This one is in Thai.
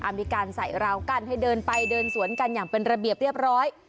มีการใส่ราวกั้นให้เดินไปเดินสวนกันอย่างเป็นระเบียบเรียบร้อย